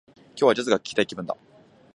今日は、ジャズが聞きたい気分だ